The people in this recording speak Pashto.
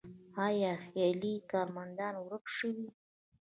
آیا خیالي کارمندان ورک شوي؟